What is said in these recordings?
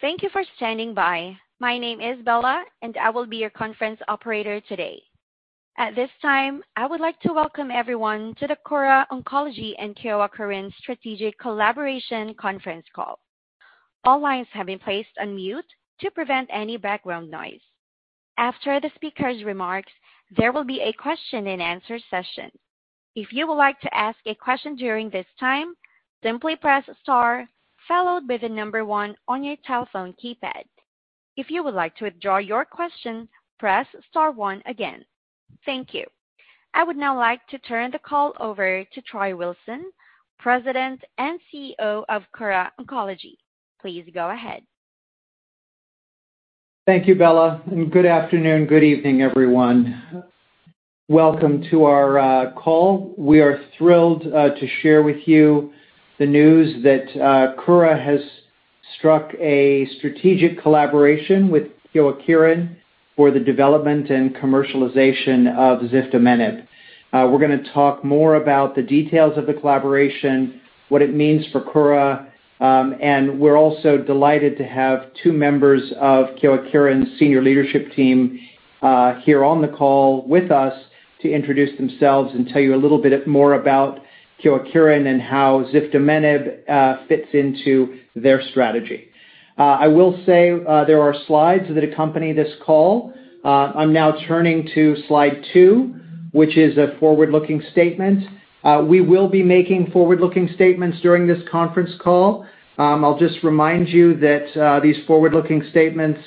Thank you for standing by. My name is Bella, and I will be your conference operator today. At this time, I would like to welcome everyone to the Kura Oncology and Kyowa Kirin Strategic Collaboration Conference Call. All lines have been placed on mute to prevent any background noise. After the speakers' remarks, there will be a question-and-answer session. If you would like to ask a question during this time, simply press star, followed by the number one on your telephone keypad. If you would like to withdraw your question, press star one again. Thank you. I would now like to turn the call over to Troy Wilson, President and CEO of Kura Oncology. Please go ahead. Thank you, Bella, and good afternoon, good evening, everyone. Welcome to our call. We are thrilled to share with you the news that Kura has struck a strategic collaboration with Kyowa Kirin for the development and commercialization of ziftomenib. We're going to talk more about the details of the collaboration, what it means for Kura, and we're also delighted to have two members of Kyowa Kirin's senior leadership team here on the call with us to introduce themselves and tell you a little bit more about Kyowa Kirin and how ziftomenib fits into their strategy. I will say there are slides that accompany this call. I'm now turning to slide two, which is a forward-looking statement. We will be making forward-looking statements during this conference call. I'll just remind you that these forward-looking statements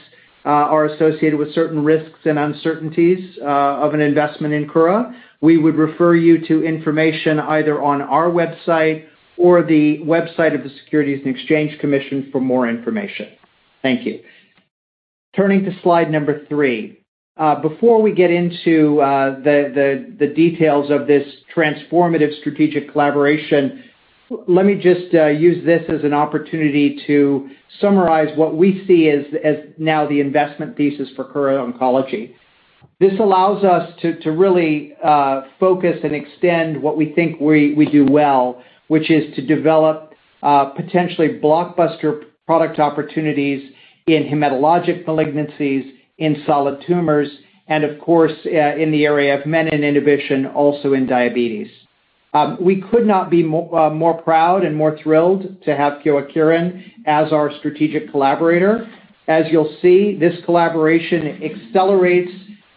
are associated with certain risks and uncertainties of an investment in Kura. We would refer you to information either on our website or the website of the Securities and Exchange Commission for more information. Thank you. Turning to slide number three. Before we get into the details of this transformative strategic collaboration, let me just use this as an opportunity to summarize what we see as now the investment thesis for Kura Oncology. This allows us to really focus and extend what we think we do well, which is to develop potentially blockbuster product opportunities in hematologic malignancies, in solid tumors, and of course, in the area of menin inhibition, also in diabetes. We could not be more proud and more thrilled to have Kyowa Kirin as our strategic collaborator. As you'll see, this collaboration accelerates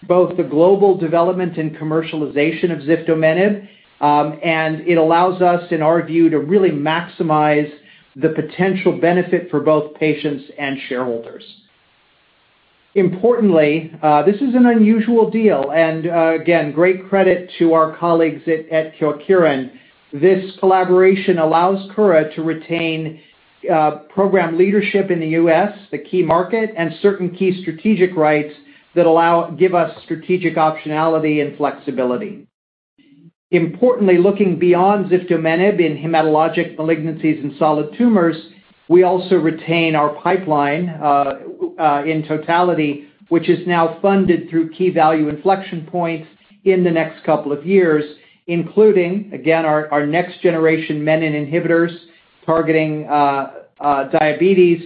both the global development and commercialization of ziftomenib, and it allows us, in our view, to really maximize the potential benefit for both patients and shareholders. Importantly, this is an unusual deal, and again, great credit to our colleagues at Kyowa Kirin. This collaboration allows Kura to retain program leadership in the U.S., the key market, and certain key strategic rights that give us strategic optionality and flexibility. Importantly, looking beyond ziftomenib in hematologic malignancies and solid tumors, we also retain our pipeline in totality, which is now funded through key value inflection points in the next couple of years, including, again, our next generation menin inhibitors targeting diabetes,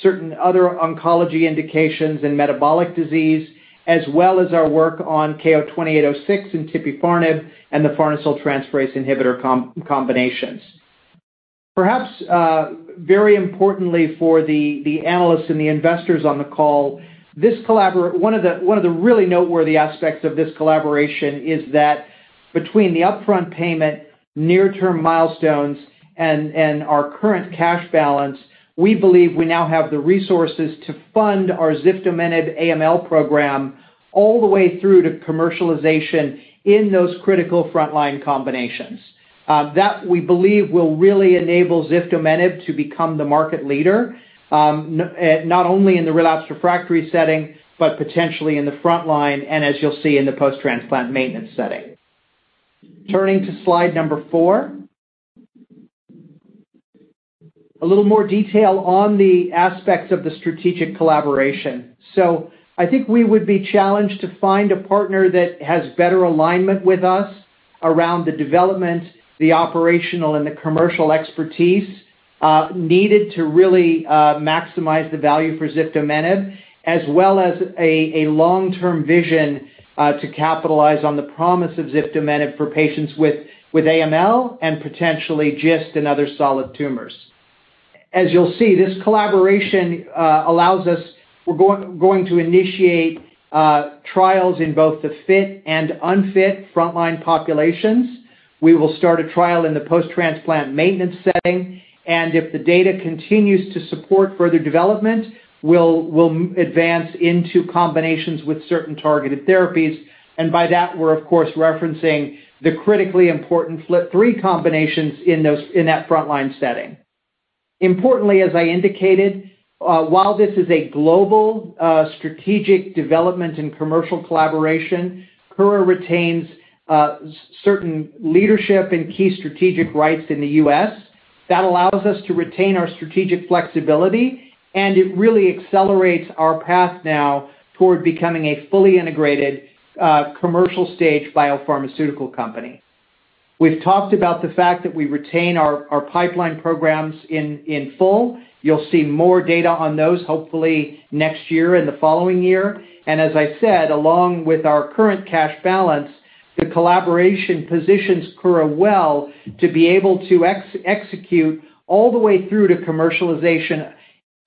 certain other oncology indications, and metabolic disease, as well as our work on KO-2806 and tipifarnib and the farnesyltransferase inhibitor combinations. Perhaps very importantly for the analysts and the investors on the call, one of the really noteworthy aspects of this collaboration is that between the upfront payment, near-term milestones, and our current cash balance, we believe we now have the resources to fund our ziftomenib AML program all the way through to commercialization in those critical frontline combinations. That we believe will really enable ziftomenib to become the market leader, not only in the relapse refractory setting, but potentially in the frontline and, as you'll see, in the post-transplant maintenance setting. Turning to slide number four, a little more detail on the aspects of the strategic collaboration. So I think we would be challenged to find a partner that has better alignment with us around the development, the operational, and the commercial expertise needed to really maximize the value for ziftomenib, as well as a long-term vision to capitalize on the promise of ziftomenib for patients with AML and potentially GIST and other solid tumors. As you'll see, this collaboration allows us. We're going to initiate trials in both the fit and unfit frontline populations. We will start a trial in the post-transplant maintenance setting. And if the data continues to support further development, we'll advance into combinations with certain targeted therapies. And by that, we're, of course, referencing the critically important FLT3 combinations in that frontline setting. Importantly, as I indicated, while this is a global strategic development and commercial collaboration, Kura retains certain leadership and key strategic rights in the US. That allows us to retain our strategic flexibility, and it really accelerates our path now toward becoming a fully integrated commercial-stage biopharmaceutical company. We've talked about the fact that we retain our pipeline programs in full. You'll see more data on those, hopefully, next year and the following year. And as I said, along with our current cash balance, the collaboration positions Kura well to be able to execute all the way through to commercialization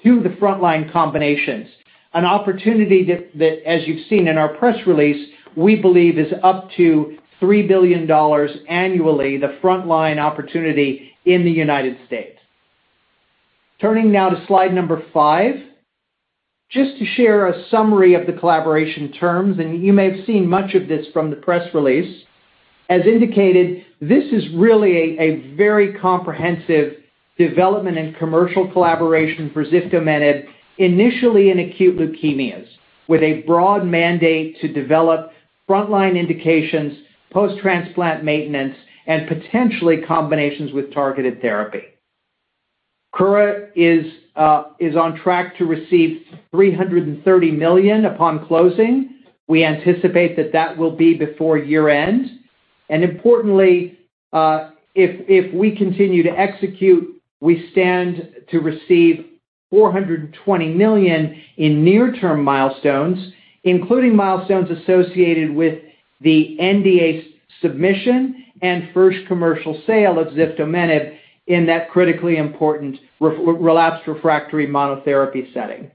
to the frontline combinations. An opportunity that, as you've seen in our press release, we believe is up to $3 billion annually, the frontline opportunity in the United States. Turning now to slide number five, just to share a summary of the collaboration terms, and you may have seen much of this from the press release. As indicated, this is really a very comprehensive development and commercial collaboration for ziftomenib, initially in acute leukemias, with a broad mandate to develop frontline indications, post-transplant maintenance, and potentially combinations with targeted therapy. Kura is on track to receive $330 million upon closing. We anticipate that that will be before year-end. And importantly, if we continue to execute, we stand to receive $420 million in near-term milestones, including milestones associated with the NDA submission and first commercial sale of ziftomenib in that critically important relapse refractory monotherapy setting.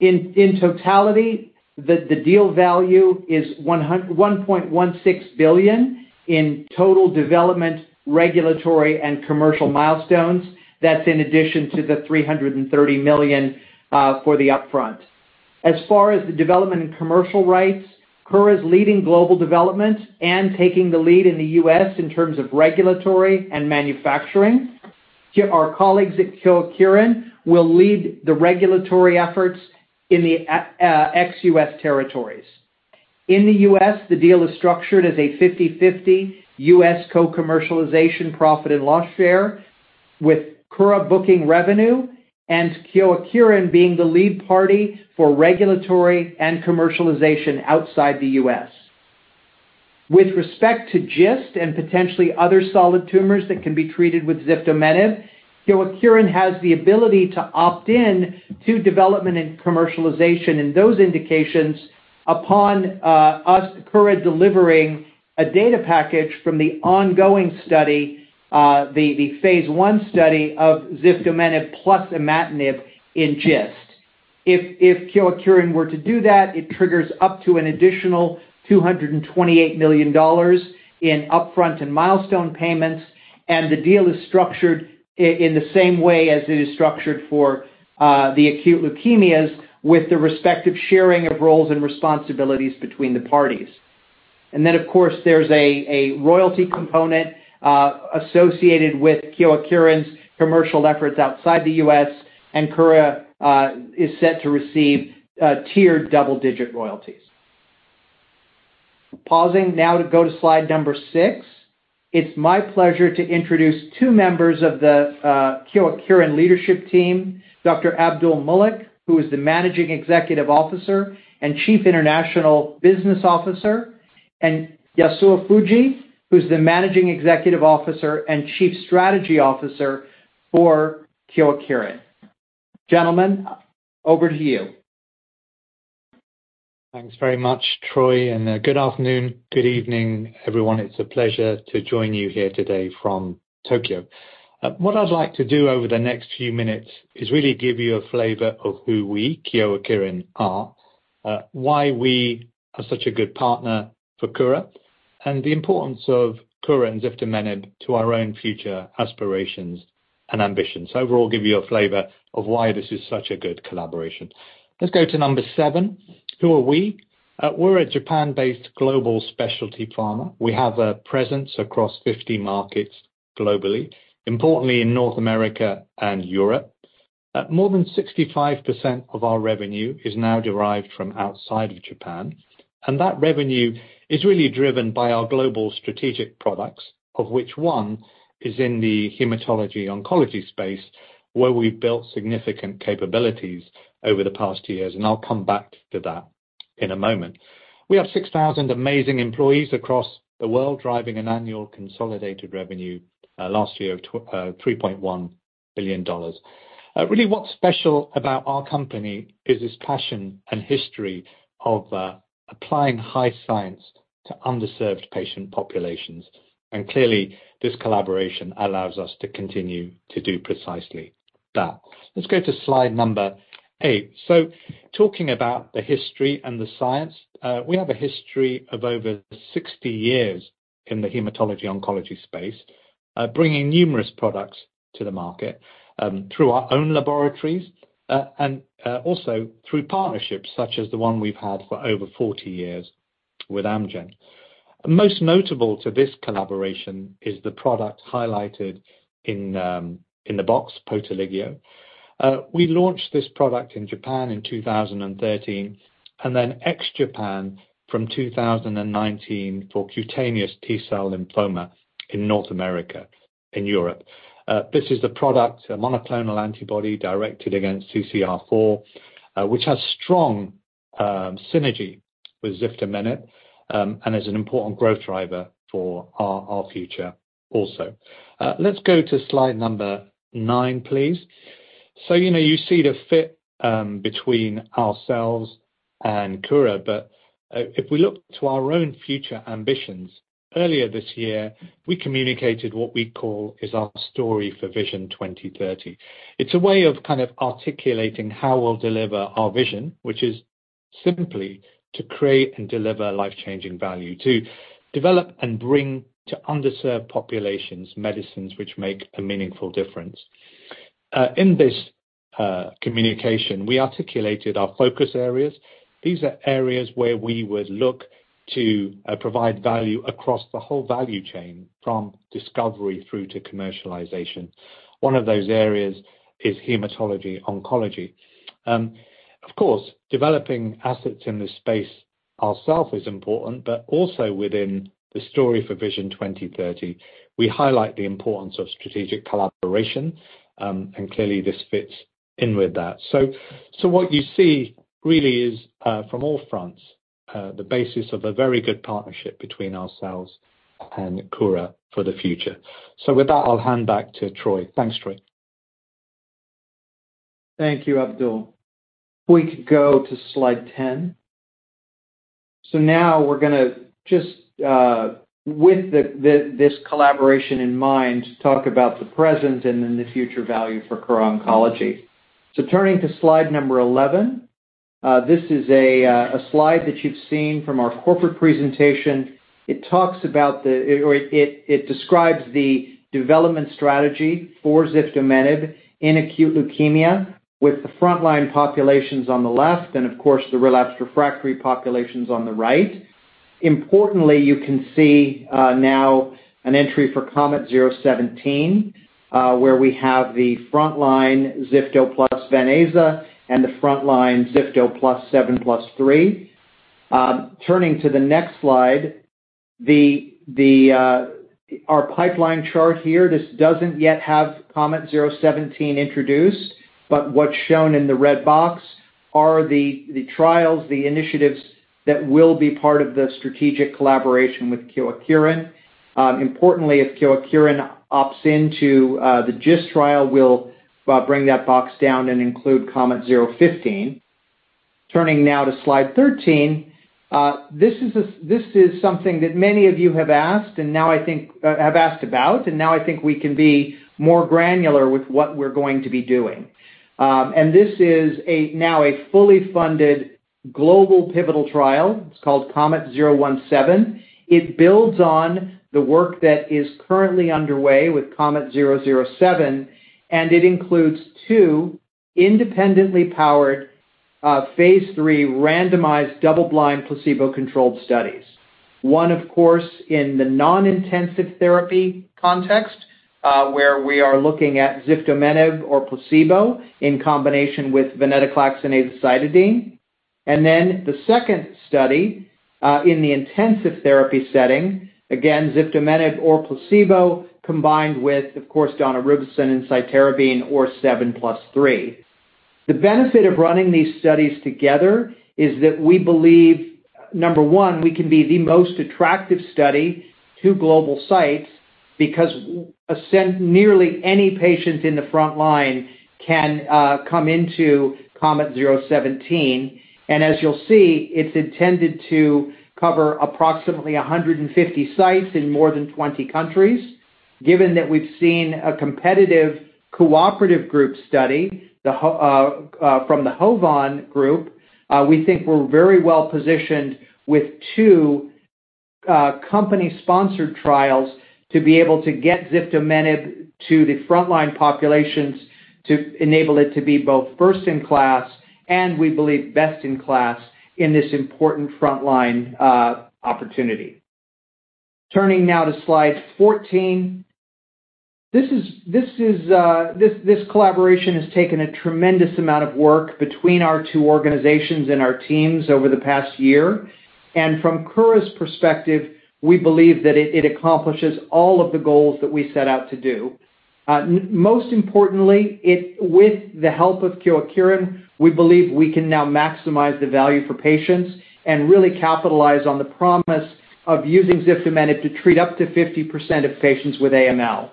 In totality, the deal value is $1.16 billion in total development, regulatory, and commercial milestones. That's in addition to the $330 million for the upfront. As far as the development and commercial rights, Kura's leading global development and taking the lead in the US in terms of regulatory and manufacturing. Our colleagues at Kyowa Kirin will lead the regulatory efforts in the ex-US territories. In the US, the deal is structured as a 50/50 US co-commercialization profit and loss share, with Kura booking revenue and Kyowa Kirin being the lead party for regulatory and commercialization outside the US. With respect to GIST and potentially other solid tumors that can be treated with ziftomenib, Kyowa Kirin has the ability to opt in to development and commercialization in those indications upon Kura delivering a data package from the ongoing study, the phase I study of ziftomenib plus imatinib in GIST. If Kyowa Kirin were to do that, it triggers up to an additional $228 million in upfront and milestone payments. And the deal is structured in the same way as it is structured for the acute leukemias, with the respective sharing of roles and responsibilities between the parties. Then, of course, there's a royalty component associated with Kyowa Kirin's commercial efforts outside the US, and Kura is set to receive tiered double-digit royalties. Pausing now to go to slide number six, it's my pleasure to introduce two members of the Kyowa Kirin leadership team, Dr. Abdul Mullick, who is the Managing Executive Officer and Chief International Business Officer, and Yasuo Fujii, who's the Managing Executive Officer and Chief Strategy Officer for Kyowa Kirin. Gentlemen, over to you. Thanks very much, Troy. And good afternoon, good evening, everyone. It's a pleasure to join you here today from Tokyo. What I'd like to do over the next few minutes is really give you a flavor of who we, Kyowa Kirin, are, why we are such a good partner for Kura, and the importance of Kura and ziftomenib to our own future aspirations and ambitions. So I will give you a flavor of why this is such a good collaboration. Let's go to number seven. Who are we? We're a Japan-based global specialty pharma. We have a presence across 50 markets globally, importantly in North America and Europe. More than 65% of our revenue is now derived from outside of Japan. And that revenue is really driven by our global strategic products, of which one is in the hematology-oncology space, where we've built significant capabilities over the past years. I'll come back to that in a moment. We have 6,000 amazing employees across the world, driving an annual consolidated revenue last year of $3.1 billion. Really, what's special about our company is this passion and history of applying high science to underserved patient populations. Clearly, this collaboration allows us to continue to do precisely that. Let's go to slide number eight. Talking about the history and the science, we have a history of over 60 years in the hematology-oncology space, bringing numerous products to the market through our own laboratories and also through partnerships such as the one we've had for over 40 years with Amgen. Most notable to this collaboration is the product highlighted in the box, Poteligeo. We launched this product in Japan in 2013 and then ex-Japan from 2019 for cutaneous T-cell lymphoma in North America and Europe. This is a product, a monoclonal antibody directed against CCR4, which has strong synergy with ziftomenib and is an important growth driver for our future also. Let's go to slide number nine, please. So you see the fit between ourselves and Kura. But if we look to our own future ambitions, earlier this year, we communicated what we call is our story for Vision 2030. It's a way of kind of articulating how we'll deliver our vision, which is simply to create and deliver life-changing value, to develop and bring to underserved populations medicines which make a meaningful difference. In this communication, we articulated our focus areas. These are areas where we would look to provide value across the whole value chain from discovery through to commercialization. One of those areas is hematology-oncology. Of course, developing assets in this space ourselves is important, but also within the story for Vision 2030, we highlight the importance of strategic collaboration, and clearly, this fits in with that, so what you see really is, from all fronts, the basis of a very good partnership between ourselves and Kura for the future, so with that, I'll hand back to Troy. Thanks, Troy. Thank you, Abdul. We can go to slide 10. So now we're going to just, with this collaboration in mind, talk about the present and then the future value for Kura Oncology. So turning to slide number 11, this is a slide that you've seen from our corporate presentation. It describes the development strategy for ziftomenib in acute leukemia with the frontline populations on the left and, of course, the relapse refractory populations on the right. Importantly, you can see now an entry for COMET-017, where we have the frontline zifto plus Veneza and the frontline zifto + 7+3. Turning to the next slide, our pipeline chart here, this doesn't yet have COMET-017 introduced, but what's shown in the red box are the trials, the initiatives that will be part of the strategic collaboration with Kyowa Kirin. Importantly, if Kyowa Kirin opts into the GIST trial, we'll bring that box down and include COMET-015. Turning now to slide 13, this is something that many of you have asked about, and now I think we can be more granular with what we're going to be doing. This is now a fully funded global pivotal trial. It's called COMET-017. It builds on the work that is currently underway with COMET-007, and it includes two independently powered phase III randomized double-blind placebo-controlled studies. One, of course, in the non-intensive therapy context, where we are looking at ziftomenib or placebo in combination with Venetoclax and Azacitidine. The second study in the intensive therapy setting, again, ziftomenib or placebo combined with, of course, daunorubicin and cytarabine or 7+3. The benefit of running these studies together is that we believe, number one, we can be the most attractive study to global sites because nearly any patient in the frontline can come into COMET-017, and as you'll see, it's intended to cover approximately 150 sites in more than 20 countries. Given that we've seen a competitive cooperative group study from the HOVON group, we think we're very well positioned with two company-sponsored trials to be able to get ziftomenib to the frontline populations to enable it to be both first-in-class and, we believe, best-in-class in this important frontline opportunity. Turning now to slide 14, this collaboration has taken a tremendous amount of work between our two organizations and our teams over the past year, and from Kura's perspective, we believe that it accomplishes all of the goals that we set out to do. Most importantly, with the help of Kyowa Kirin, we believe we can now maximize the value for patients and really capitalize on the promise of using ziftomenib to treat up to 50% of patients with AML.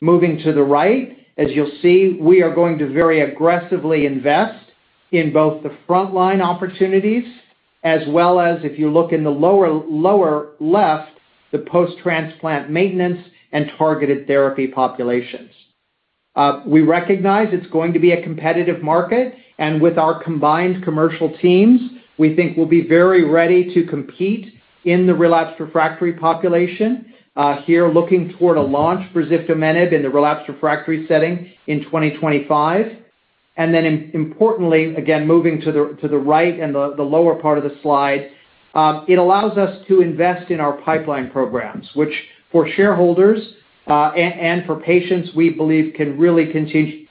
Moving to the right, as you'll see, we are going to very aggressively invest in both the frontline opportunities as well as, if you look in the lower left, the post-transplant maintenance and targeted therapy populations. We recognize it's going to be a competitive market, and with our combined commercial teams, we think we'll be very ready to compete in the relapse refractory population here, looking toward a launch for ziftomenib in the relapse refractory setting in 2025. Then, importantly, again, moving to the right and the lower part of the slide, it allows us to invest in our pipeline programs, which for shareholders and for patients, we believe can really continue,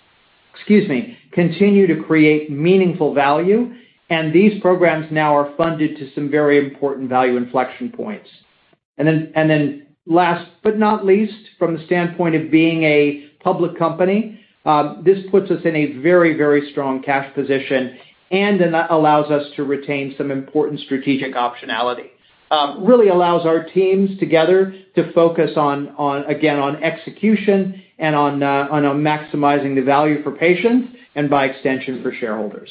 excuse me, continue to create meaningful value. These programs now are funded to some very important value inflection points. Then last but not least, from the standpoint of being a public company, this puts us in a very, very strong cash position and allows us to retain some important strategic optionality. Really allows our teams together to focus on, again, on execution and on maximizing the value for patients and, by extension, for shareholders.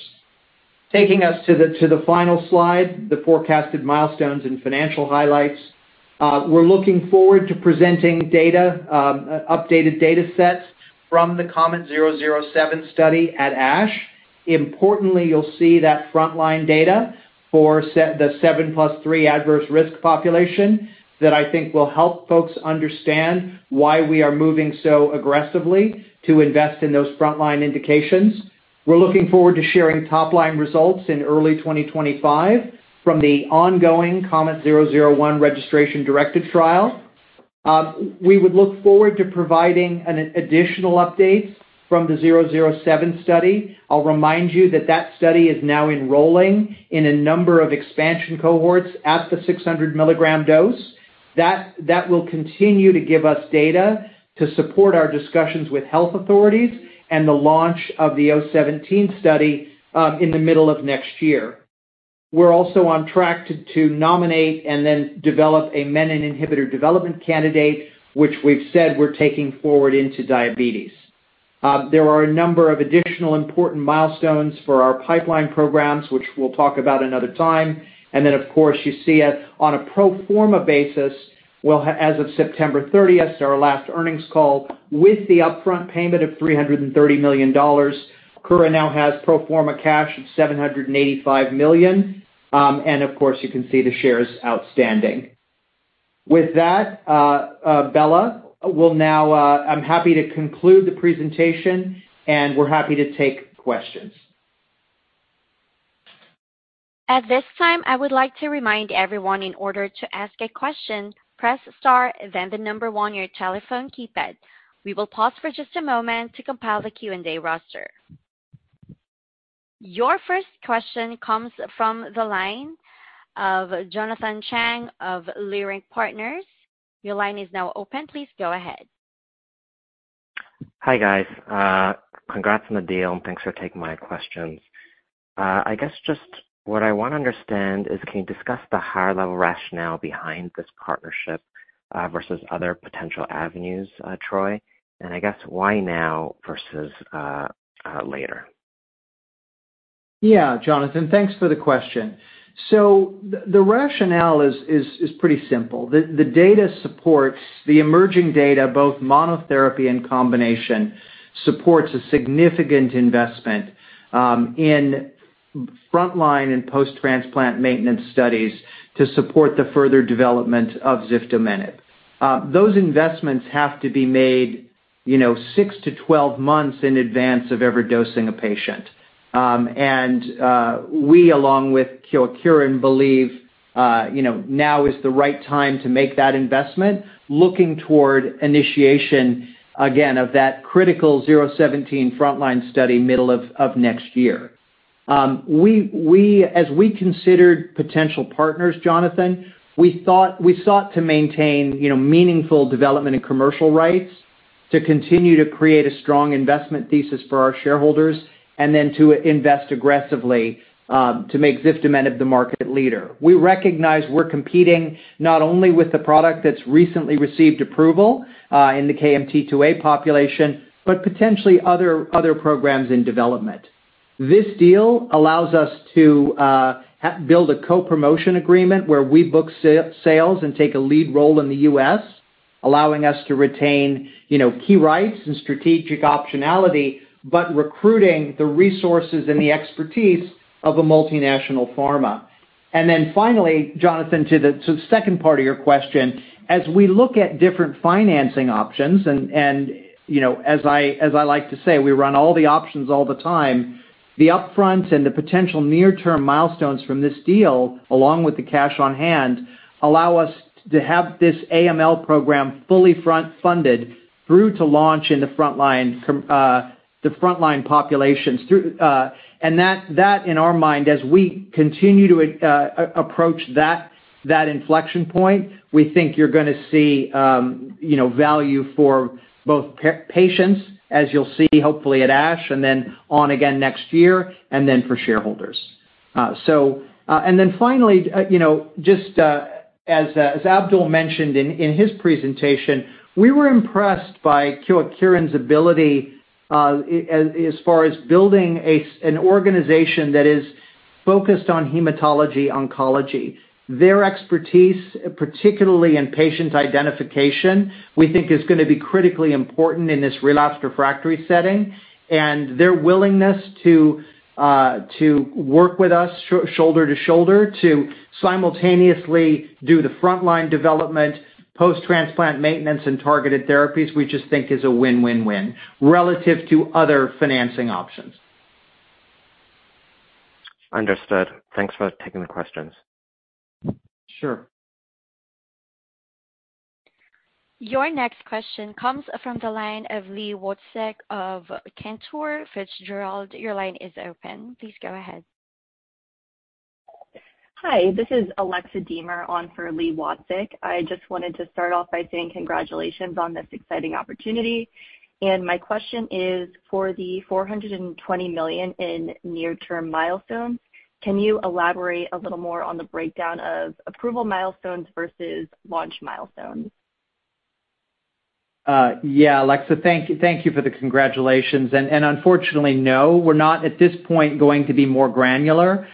Taking us to the final slide, the forecasted milestones and financial highlights. We're looking forward to presenting updated data sets from the COMET-007 study at ASH. Importantly, you'll see that frontline data for the 7+3 adverse risk population that I think will help folks understand why we are moving so aggressively to invest in those frontline indications. We're looking forward to sharing top-line results in early 2025 from the ongoing COMET-001 registration-directed trial. We would look forward to providing additional updates from the COMET-007 study. I'll remind you that that study is now enrolling in a number of expansion cohorts at the 600-milligram dose. That will continue to give us data to support our discussions with health authorities and the launch of the COMET-017 study in the middle of next year. We're also on track to nominate and then develop a menin inhibitor development candidate, which we've said we're taking forward into diabetes. There are a number of additional important milestones for our pipeline programs, which we'll talk about another time. And then, of course, you see it on a pro forma basis. Well, as of September 30th, our last earnings call, with the upfront payment of $330 million, Kura now has pro forma cash of $785 million. And of course, you can see the shares outstanding. With that, Bella, I'm happy to conclude the presentation, and we're happy to take questions. At this time, I would like to remind everyone in order to ask a question, press star, then the number one on your telephone keypad. We will pause for just a moment to compile the Q&A roster. Your first question comes from the line of Jonathan Chang of Leerink Partners. Your line is now open. Please go ahead. Hi guys. Congrats on the deal, and thanks for taking my questions. I guess just what I want to understand is, can you discuss the higher-level rationale behind this partnership versus other potential avenues, Troy, and I guess why now versus later? Yeah, Jonathan, thanks for the question. So the rationale is pretty simple. The data supports the emerging data, both monotherapy and combination supports a significant investment in frontline and post-transplant maintenance studies to support the further development of ziftomenib. Those investments have to be made six to 12 months in advance of ever dosing a patient. And we, along with Kyowa Kirin, believe now is the right time to make that investment, looking toward initiation, again, of that critical 017 frontline study middle of next year. As we considered potential partners, Jonathan, we sought to maintain meaningful development and commercial rights to continue to create a strong investment thesis for our shareholders and then to invest aggressively to make ziftomenib the market leader. We recognize we're competing not only with the product that's recently received approval in the KMT2A population, but potentially other programs in development. This deal allows us to build a co-promotion agreement where we book sales and take a lead role in the U.S., allowing us to retain key rights and strategic optionality, but recruiting the resources and the expertise of a multinational pharma. And then finally, Jonathan, to the second part of your question, as we look at different financing options, and as I like to say, we run all the options all the time, the upfront and the potential near-term milestones from this deal, along with the cash on hand, allow us to have this AML program fully funded through to launch in the frontline populations. And that, in our mind, as we continue to approach that inflection point, we think you're going to see value for both patients, as you'll see hopefully at ASH, and then one again next year, and then for shareholders. And then finally, just as Abdul mentioned in his presentation, we were impressed by Kyowa Kirin's ability as far as building an organization that is focused on hematology-oncology. Their expertise, particularly in patient identification, we think is going to be critically important in this relapse refractory setting. And their willingness to work with us shoulder to shoulder to simultaneously do the frontline development, post-transplant maintenance, and targeted therapies, we just think is a win-win-win relative to other financing options. Understood. Thanks for taking the questions. Sure. Your next question comes from the line of Li Watsek of Cantor Fitzgerald. Your line is open. Please go ahead. Hi, this is Alexa Deemer on for Li Watsek. I just wanted to start off by saying congratulations on this exciting opportunity, and my question is, for the $420 million in near-term milestones, can you elaborate a little more on the breakdown of approval milestones versus launch milestones? Yeah, Alexa, thank you for the congratulations. And unfortunately, no, we're not at this point going to be more granular.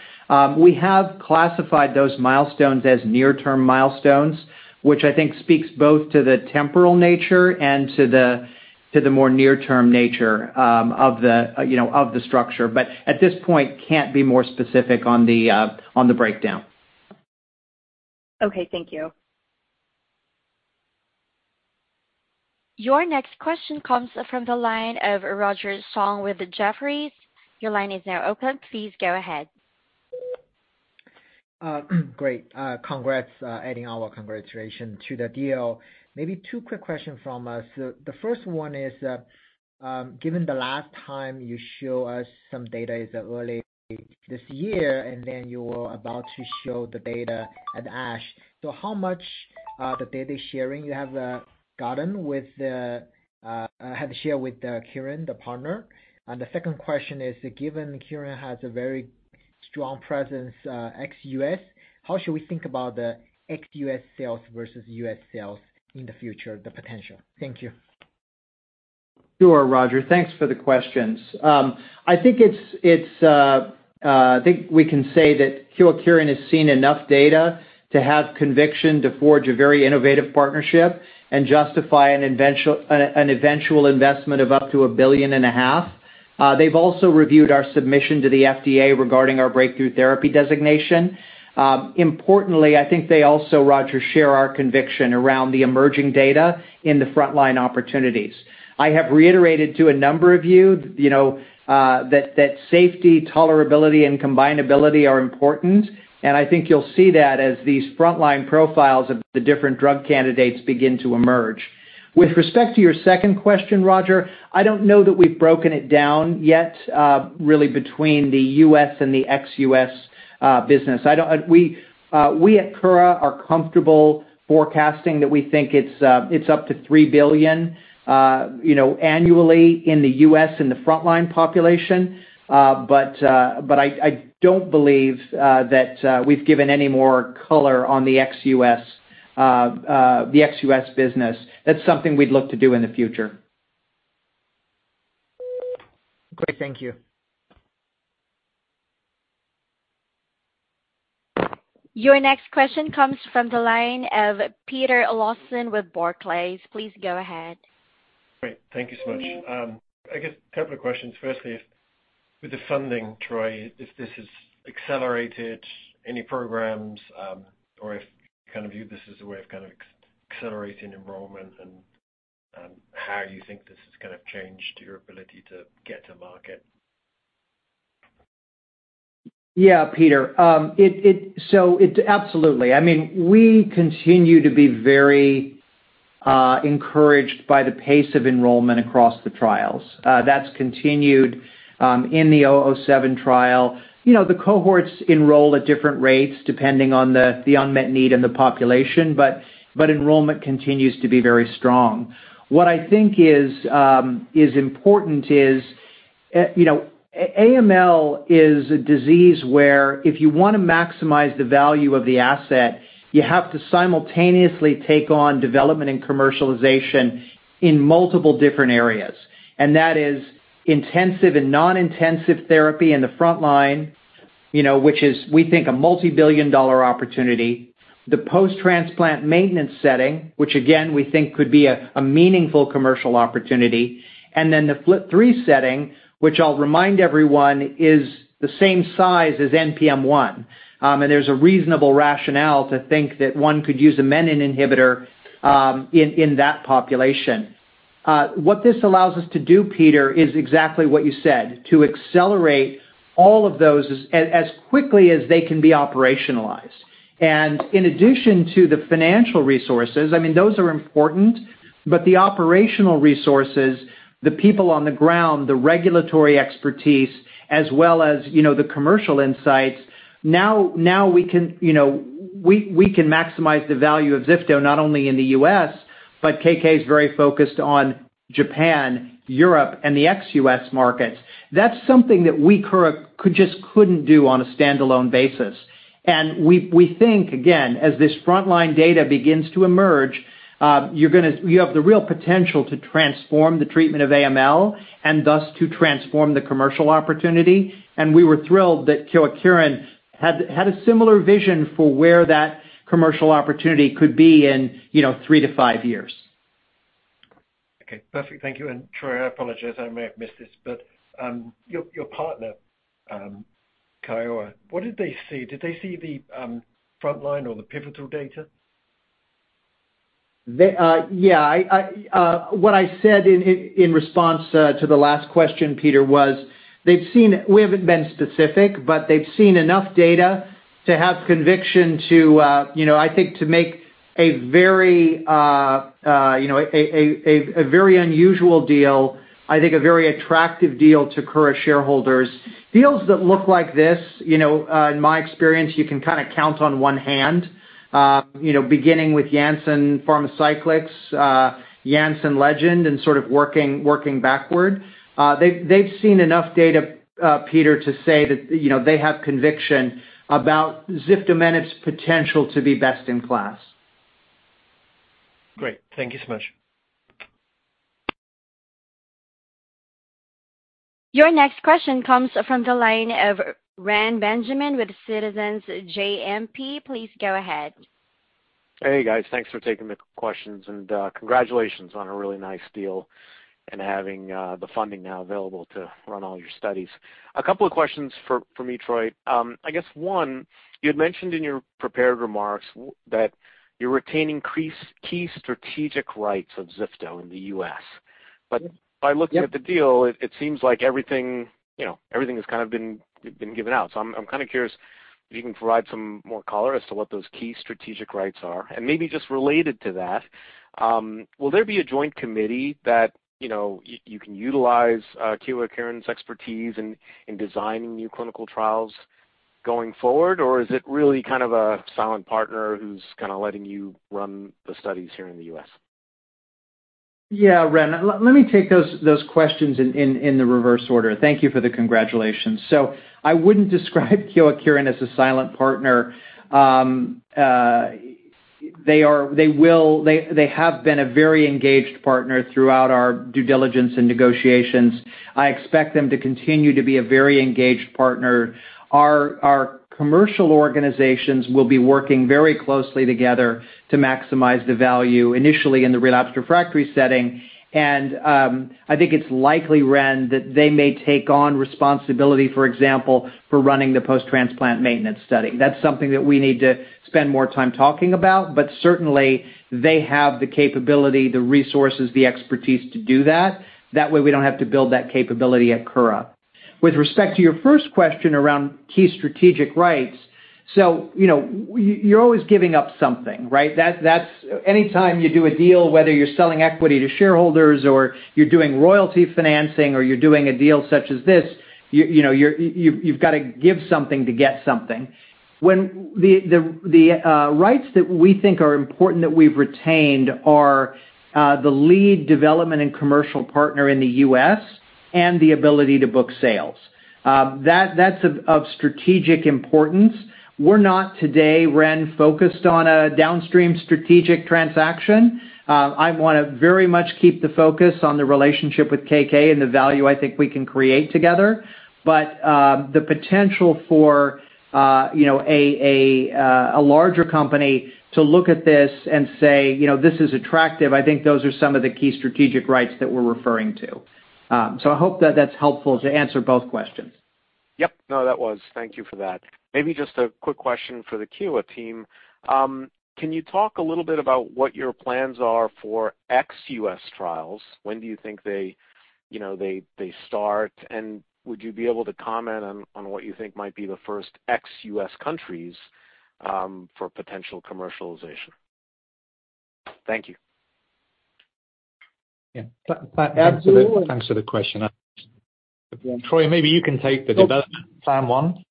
We have classified those milestones as near-term milestones, which I think speaks both to the temporal nature and to the more near-term nature of the structure. But at this point, can't be more specific on the breakdown. Okay, thank you. Your next question comes from the line of Roger Song with Jefferies. Your line is now open. Please go ahead. Great. Congrats, adding our congratulations to the deal. Maybe two quick questions from us. The first one is, given the last time you showed us some data is early this year, and then you were about to show the data at ASH. So how much of the data sharing you have gotten with the have shared with Kyowa Kirin, the partner? And the second question is, given Kyowa Kirin has a very strong presence ex-US, how should we think about the ex-US sales versus US sales in the future, the potential? Thank you. Sure, Roger. Thanks for the questions. I think we can say that Kyowa Kirin has seen enough data to have conviction to forge a very innovative partnership and justify an eventual investment of up to $1.5 billion. They've also reviewed our submission to the FDA regarding our breakthrough therapy designation. Importantly, I think they also, Roger, share our conviction around the emerging data in the frontline opportunities. I have reiterated to a number of you that safety, tolerability, and combinability are important, and I think you'll see that as these frontline profiles of the different drug candidates begin to emerge. With respect to your second question, Roger, I don't know that we've broken it down yet really between the US and the ex-US business. We at Kura are comfortable forecasting that we think it's up to $3 billion annually in the US in the frontline population. But I don't believe that we've given any more color on the ex-US business. That's something we'd look to do in the future. Great, thank you. Your next question comes from the line of Peter Lawson with Barclays. Please go ahead. Great. Thank you so much. I guess a couple of questions. Firstly, with the funding, Troy, if this has accelerated any programs or if you kind of view this as a way of kind of accelerating enrollment and how you think this has kind of changed your ability to get to market? Yeah, Peter. So absolutely. I mean, we continue to be very encouraged by the pace of enrollment across the trials. That's continued in the 007 trial. The cohorts enroll at different rates depending on the unmet need and the population, but enrollment continues to be very strong. What I think is important is AML is a disease where if you want to maximize the value of the asset, you have to simultaneously take on development and commercialization in multiple different areas. And that is intensive and non-intensive therapy in the frontline, which is, we think, a multi-billion-dollar opportunity. The post-transplant maintenance setting, which again, we think could be a meaningful commercial opportunity. And then the FLT3 setting, which I'll remind everyone is the same size as NPM1. And there's a reasonable rationale to think that one could use a menin inhibitor in that population. What this allows us to do, Peter, is exactly what you said, to accelerate all of those as quickly as they can be operationalized. And in addition to the financial resources, I mean, those are important, but the operational resources, the people on the ground, the regulatory expertise, as well as the commercial insights, now we can maximize the value of zifto, not only in the U.S., but KK is very focused on Japan, Europe, and the ex-U.S. markets. That's something that we just couldn't do on a standalone basis. And we think, again, as this frontline data begins to emerge, you have the real potential to transform the treatment of AML and thus to transform the commercial opportunity. And we were thrilled that Kyowa Kirin had a similar vision for where that commercial opportunity could be in three to five years. Okay, perfect. Thank you, and Troy, I apologize, I may have missed this, but your partner, Kyowa, what did they see? Did they see the frontline or the pivotal data? Yeah. What I said in response to the last question, Peter, was they've seen we haven't been specific, but they've seen enough data to have conviction to, I think, to make a very unusual deal, I think a very attractive deal to Kura shareholders. Deals that look like this, in my experience, you can kind of count on one hand, beginning with Janssen Pharmaceuticals and Legend, and sort of working backward. They've seen enough data, Peter, to say that they have conviction about ziftomenib's potential to be best in class. Great. Thank you so much. Your next question comes from the line of Ren Benjamin with Citizens JMP. Please go ahead. Hey guys, thanks for taking the questions. And congratulations on a really nice deal and having the funding now available to run all your studies. A couple of questions for me, Troy. I guess one, you had mentioned in your prepared remarks that you're retaining key strategic rights of zifto in the US. But by looking at the deal, it seems like everything has kind of been given out. So I'm kind of curious if you can provide some more color as to what those key strategic rights are. And maybe just related to that, will there be a joint committee that you can utilize Kyowa Kirin's expertise in designing new clinical trials going forward? Or is it really kind of a silent partner who's kind of letting you run the studies here in the US? Yeah, Ren, let me take those questions in the reverse order. Thank you for the congratulations. So I wouldn't describe Kyowa Kirin as a silent partner. They have been a very engaged partner throughout our due diligence and negotiations. I expect them to continue to be a very engaged partner. Our commercial organizations will be working very closely together to maximize the value initially in the relapse refractory setting. And I think it's likely, Ren, that they may take on responsibility, for example, for running the post-transplant maintenance study. That's something that we need to spend more time talking about. But certainly, they have the capability, the resources, the expertise to do that. That way, we don't have to build that capability at Kura. With respect to your first question around key strategic rights, so you're always giving up something, right? Anytime you do a deal, whether you're selling equity to shareholders or you're doing royalty financing or you're doing a deal such as this, you've got to give something to get something. The rights that we think are important that we've retained are the lead development and commercial partner in the U.S. and the ability to book sales. That's of strategic importance. We're not today, Ren, focused on a downstream strategic transaction. I want to very much keep the focus on the relationship with KK and the value I think we can create together. But the potential for a larger company to look at this and say, "This is attractive," I think those are some of the key strategic rights that we're referring to. So I hope that that's helpful to answer both questions. Yep. No, that was. Thank you for that. Maybe just a quick question for the Kura team. Can you talk a little bit about what your plans are for ex-US trials? When do you think they start? And would you be able to comment on what you think might be the first ex-US countries for potential commercialization? Thank you. Yeah. Absolutely. Thanks for the question. Troy, maybe you can take the development plan one.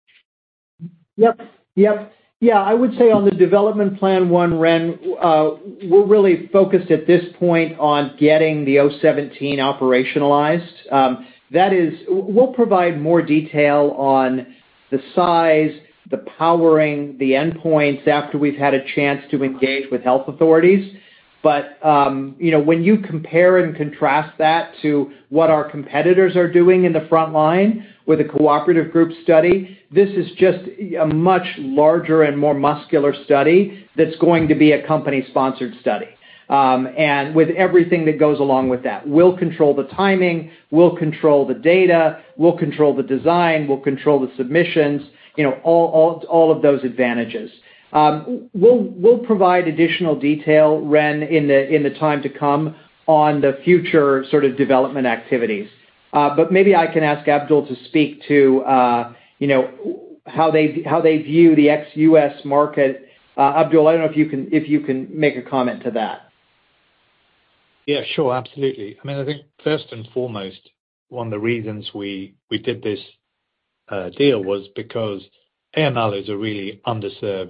Yep. Yep. Yeah, I would say on the development plan one, Ren, we're really focused at this point on getting the 017 operationalized. We'll provide more detail on the size, the powering, the endpoints after we've had a chance to engage with health authorities. But when you compare and contrast that to what our competitors are doing in the frontline with a cooperative group study, this is just a much larger and more muscular study that's going to be a company-sponsored study, and with everything that goes along with that. We'll control the timing. We'll control the data. We'll control the design. We'll control the submissions. All of those advantages. We'll provide additional detail, Ren, in the time to come on the future sort of development activities, but maybe I can ask Abdul to speak to how they view the ex-U.S. market. Abdul, I don't know if you can make a comment to that. Yeah, sure. Absolutely. I mean, I think first and foremost, one of the reasons we did this deal was because AML is a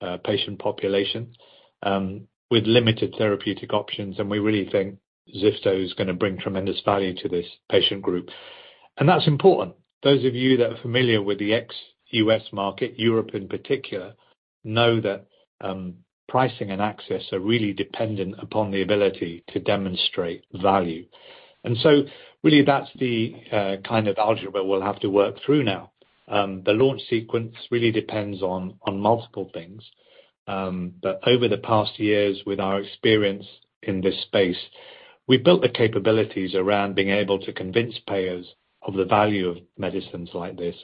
really underserved patient population with limited therapeutic options. And we really think zifto is going to bring tremendous value to this patient group. And that's important. Those of you that are familiar with the ex-US market, Europe in particular, know that pricing and access are really dependent upon the ability to demonstrate value. And so really, that's the kind of algebra we'll have to work through now. The launch sequence really depends on multiple things. But over the past years, with our experience in this space, we built the capabilities around being able to convince payers of the value of medicines like this.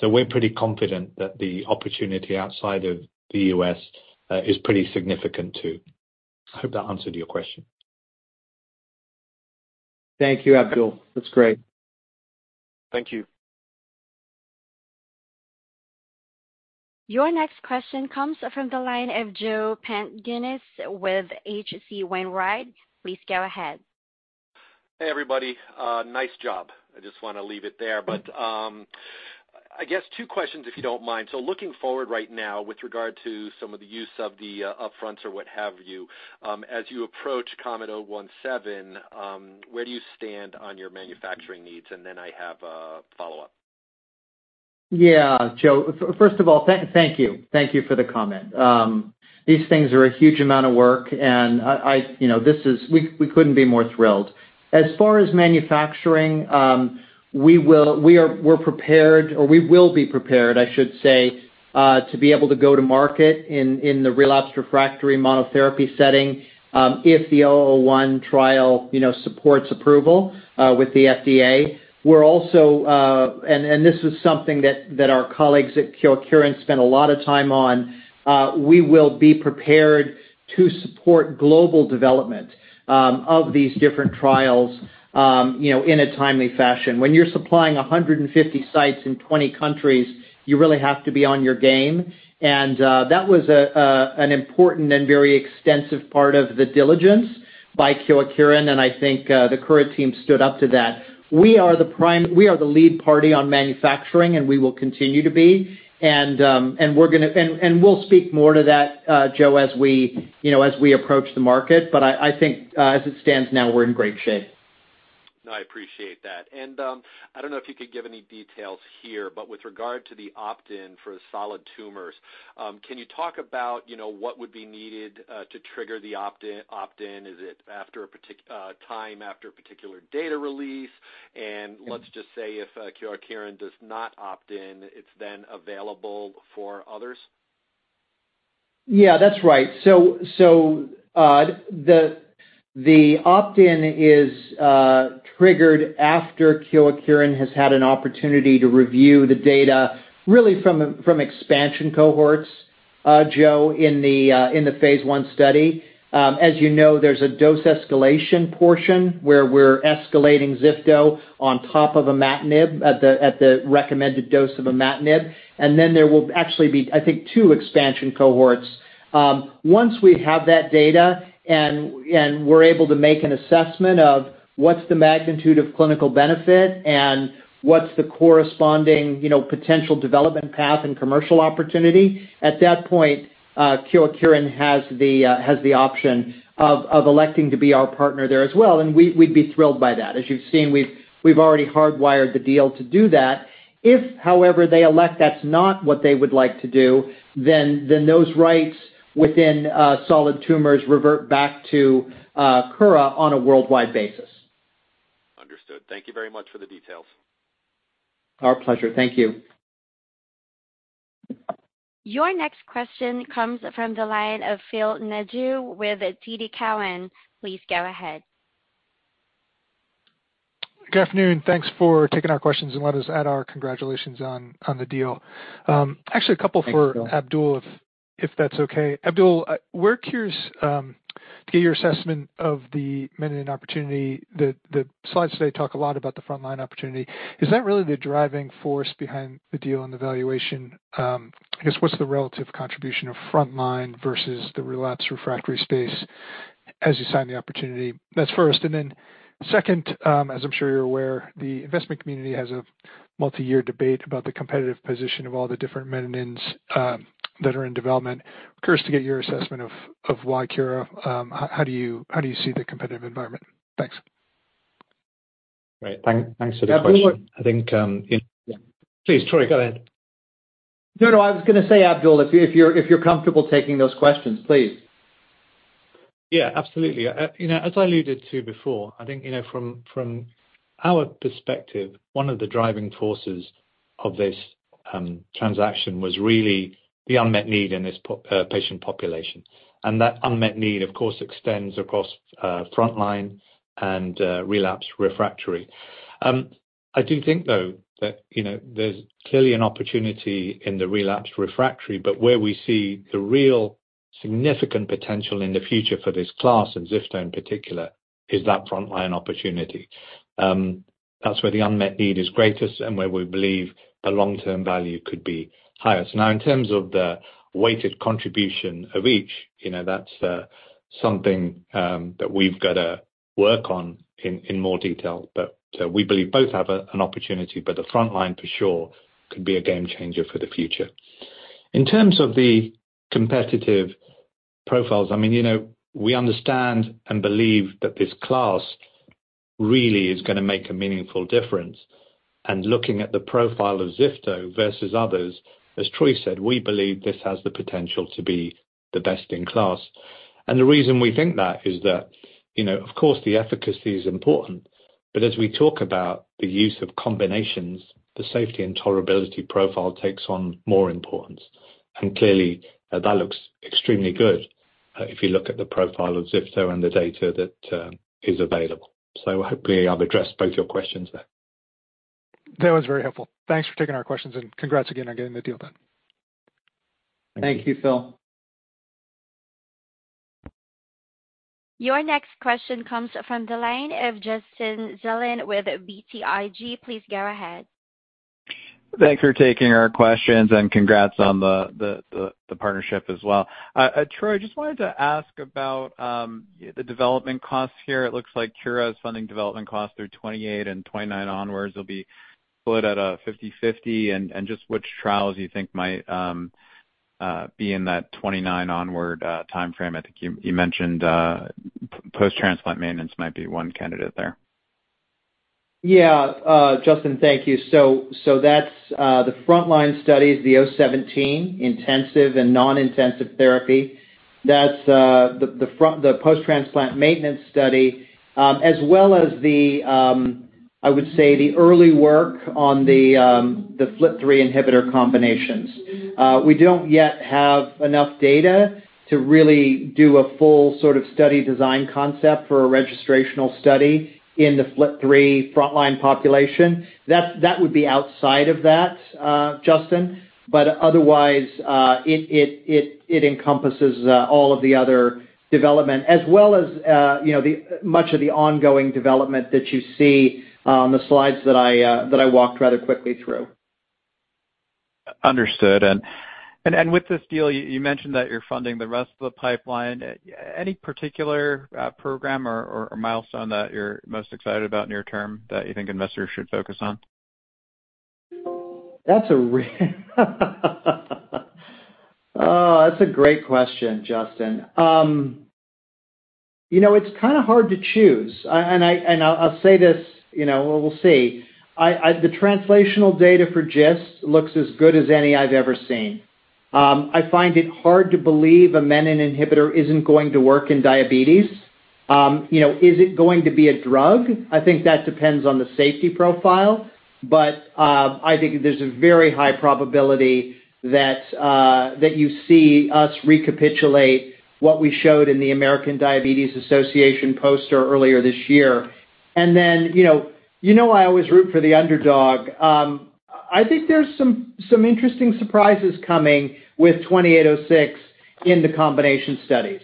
So we're pretty confident that the opportunity outside of the US is pretty significant too. I hope that answered your question. Thank you, Abdul. That's great. Thank you. Your next question comes from the line of Joe Pantginis with H.C. Wainwright. Please go ahead. Hey, everybody. Nice job. I just want to leave it there. But I guess two questions if you don't mind. So looking forward right now with regard to some of the use of the upfronts or what have you, as you approach COMET-017, where do you stand on your manufacturing needs? And then I have a follow-up. Yeah, Joe. First of all, thank you. Thank you for the comment. These things are a huge amount of work, and this, we couldn't be more thrilled. As far as manufacturing, we're prepared or we will be prepared, I should say, to be able to go to market in the relapse refractory monotherapy setting if the 001 trial supports approval with the FDA. We're also, and this is something that our colleagues at Kyowa Kirin spent a lot of time on, we will be prepared to support global development of these different trials in a timely fashion. When you're supplying 150 sites in 20 countries, you really have to be on your game. And that was an important and very extensive part of the diligence by Kyowa Kirin. And I think the current team stood up to that. We are the lead party on manufacturing, and we will continue to be. We'll speak more to that, Joe, as we approach the market. But I think as it stands now, we're in great shape. No, I appreciate that. And I don't know if you could give any details here, but with regard to the opt-in for solid tumors, can you talk about what would be needed to trigger the opt-in? Is it after a time after a particular data release? And let's just say if Kyowa Kirin does not opt in, it's then available for others? Yeah, that's right. So the opt-in is triggered after Kyowa Kirin has had an opportunity to review the data really from expansion cohorts, Joe, in the phase I study. As you know, there's a dose escalation portion where we're escalating zifto on top of Imatinib at the recommended dose of Imatinib. And then there will actually be, I think, two expansion cohorts. Once we have that data and we're able to make an assessment of what's the magnitude of clinical benefit and what's the corresponding potential development path and commercial opportunity, at that point, Kyowa Kirin has the option of electing to be our partner there as well. And we'd be thrilled by that. As you've seen, we've already hardwired the deal to do that. If, however, they elect that's not what they would like to do, then those rights within solid tumors revert back to Kura on a worldwide basis. Understood. Thank you very much for the details. Our pleasure. Thank you. Your next question comes from the line of Phil Nadeau with TD Cowen. Please go ahead. Good afternoon. Thanks for taking our questions and letting us add our congratulations on the deal. Actually, a couple for Abdul if that's okay. Abdul, we're curious to get your assessment of the menin opportunity. The slides today talk a lot about the frontline opportunity. Is that really the driving force behind the deal and the valuation? I guess what's the relative contribution of frontline versus the relapse refractory space as you size the opportunity? That's first. And then second, as I'm sure you're aware, the investment community has a multi-year debate about the competitive position of all the different menin that are in development. We're curious to get your assessment of why zifto. How do you see the competitive environment? Thanks. Great. Thanks for the question. Abdul. I think. Yeah. Please, Troy, go ahead. No, no. I was going to say, Abdul, if you're comfortable taking those questions, please. Yeah, absolutely. As I alluded to before, I think from our perspective, one of the driving forces of this transaction was really the unmet need in this patient population, and that unmet need, of course, extends across frontline and relapse refractory. I do think, though, that there's clearly an opportunity in the relapse refractory, but where we see the real significant potential in the future for this class and zifto in particular is that frontline opportunity. That's where the unmet need is greatest and where we believe the long-term value could be highest. Now, in terms of the weighted contribution of each, that's something that we've got to work on in more detail, but we believe both have an opportunity, but the frontline for sure could be a game changer for the future. In terms of the competitive profiles, I mean, we understand and believe that this class really is going to make a meaningful difference. And looking at the profile of zifto versus others, as Troy said, we believe this has the potential to be the best in class. And the reason we think that is that, of course, the efficacy is important. But as we talk about the use of combinations, the safety and tolerability profile takes on more importance. And clearly, that looks extremely good if you look at the profile of zifto and the data that is available. So hopefully, I've addressed both your questions there. That was very helpful. Thanks for taking our questions. Congrats again on getting the deal done. Thank you, Phil. Your next question comes from the line of Justin Zelin with BTIG. Please go ahead. Thanks for taking our questions. And congrats on the partnership as well. Troy, I just wanted to ask about the development costs here. It looks like Kura is funding development costs through 2028 and 2029 onward. It'll be split at a 50/50. And just which trials you think might be in that 2029 onward timeframe? I think you mentioned post-transplant maintenance might be one candidate there. Yeah, Justin, thank you. So that's the frontline studies, the 017 intensive and non-intensive therapy. That's the post-transplant maintenance study, as well as the, I would say, the early work on the FLT3 inhibitor combinations. We don't yet have enough data to really do a full sort of study design concept for a registrational study in the FLT3 frontline population. That would be outside of that, Justin. But otherwise, it encompasses all of the other development as well as much of the ongoing development that you see on the slides that I walked rather quickly through. Understood. With this deal, you mentioned that you're funding the rest of the pipeline. Any particular program or milestone that you're most excited about near term that you think investors should focus on? That's a great question, Justin. It's kind of hard to choose. And I'll say this, we'll see. The translational data for GIST looks as good as any I've ever seen. I find it hard to believe a menin inhibitor isn't going to work in diabetes. Is it going to be a drug? I think that depends on the safety profile. But I think there's a very high probability that you see us recapitulate what we showed in the American Diabetes Association poster earlier this year. And then you know I always root for the underdog. I think there's some interesting surprises coming with 2806 in the combination studies.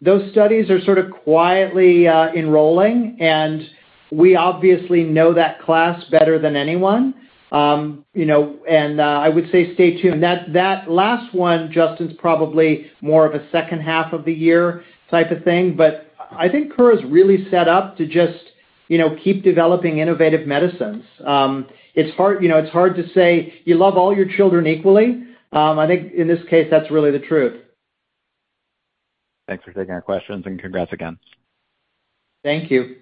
Those studies are sort of quietly enrolling. And we obviously know that class better than anyone. And I would say stay tuned. That last one, Justin, is probably more of a second half of the year type of thing. But I think Kura's really set up to just keep developing innovative medicines. It's hard to say you love all your children equally. I think in this case, that's really the truth. Thanks for taking our questions. And congrats again. Thank you.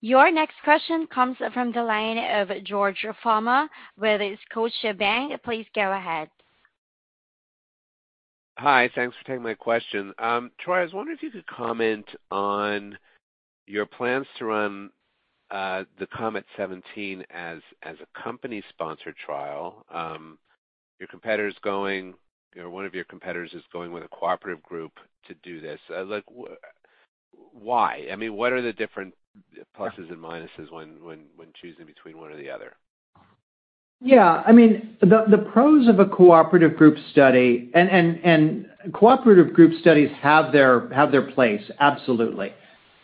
Your next question comes from the line of George Farmer with Scotiabank. Please go ahead. Hi. Thanks for taking my question. Troy, I was wondering if you could comment on your plans to run the COMET-017 as a company-sponsored trial. Your competitor's going or one of your competitors is going with a cooperative group to do this. Why? I mean, what are the different pluses and minuses when choosing between one or the other? Yeah. I mean, the pros of a cooperative group study and cooperative group studies have their place. Absolutely.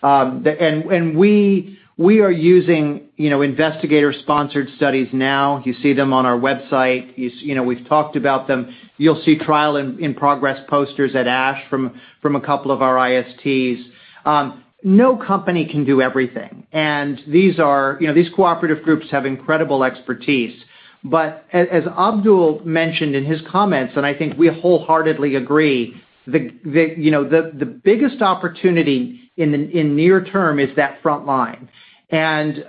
And we are using investigator-sponsored studies now. You see them on our website. We've talked about them. You'll see trial-in-progress posters at ASH from a couple of our ISTs. No company can do everything. And these cooperative groups have incredible expertise. But as Abdul mentioned in his comments, and I think we wholeheartedly agree, the biggest opportunity in near term is that frontline. And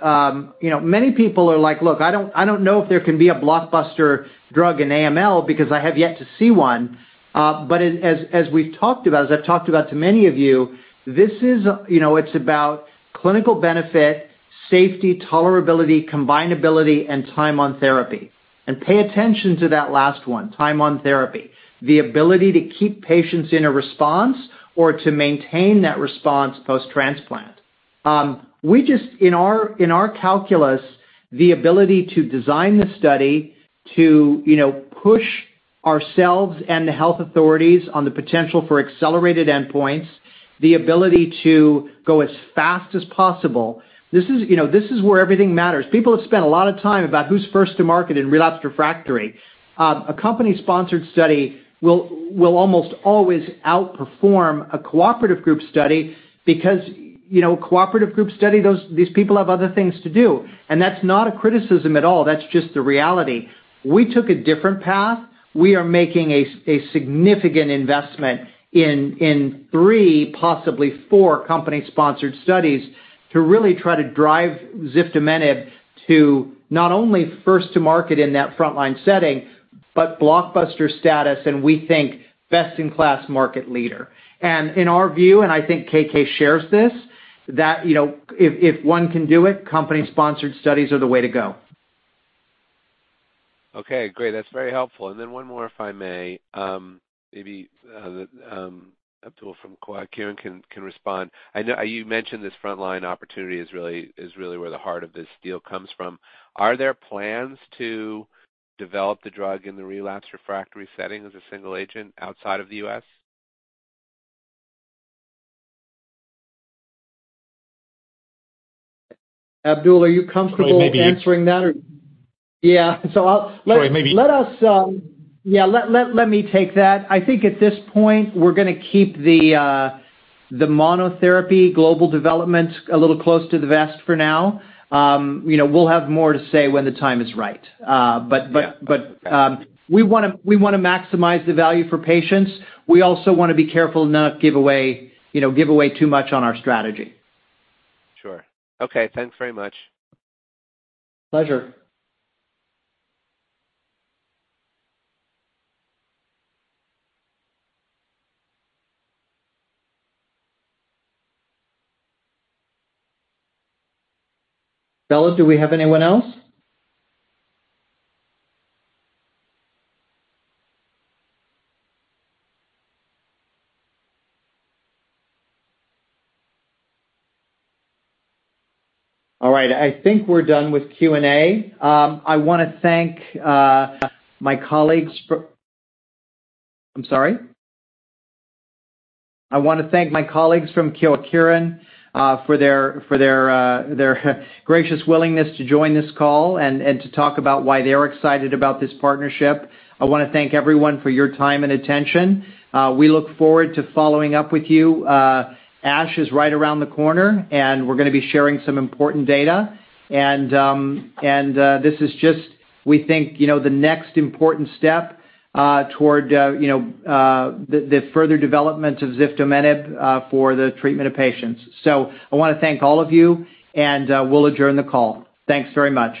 many people are like, "Look, I don't know if there can be a blockbuster drug in AML because I have yet to see one." But as we've talked about, as I've talked about to many of you, it's about clinical benefit, safety, tolerability, combinability, and time on therapy. And pay attention to that last one, time on therapy, the ability to keep patients in a response or to maintain that response post-transplant. In our calculus, the ability to design the study to push ourselves and the health authorities on the potential for accelerated endpoints, the ability to go as fast as possible, this is where everything matters. People have spent a lot of time about who's first to market in relapse refractory. A company-sponsored study will almost always outperform a cooperative group study because a cooperative group study, these people have other things to do. And that's not a criticism at all. That's just the reality. We took a different path. We are making a significant investment in three, possibly four, company-sponsored studies to really try to drive ziftomenib to not only first to market in that frontline setting but blockbuster status and we think best-in-class market leader. In our view, and I think KK shares this, that if one can do it, company-sponsored studies are the way to go. Okay. Great. That's very helpful. And then one more, if I may, maybe Abdul from Kyowa Kirin here can respond. You mentioned this frontline opportunity is really where the heart of this deal comes from. Are there plans to develop the drug in the relapse refractory setting as a single agent outside of the US? Abdul, are you comfortable answering that? Sorry, maybe. Yeah. So I'll. Sorry, maybe. Yeah. Let me take that. I think at this point, we're going to keep the monotherapy global development a little close to the vest for now. We'll have more to say when the time is right. But we want to maximize the value for patients. We also want to be careful not to give away too much on our strategy. Sure. Okay. Thanks very much. Pleasure. Operator, do we have anyone else? All right. I think we're done with Q&A. I want to thank my colleagues from. I'm sorry. I want to thank my colleagues from Kyowa Kirin for their gracious willingness to join this call and to talk about why they're excited about this partnership. I want to thank everyone for your time and attention. We look forward to following up with you. ASH is right around the corner, and we're going to be sharing some important data. And this is just, we think, the next important step toward the further development of ziftomenib for the treatment of patients. So I want to thank all of you, and we'll adjourn the call. Thanks very much.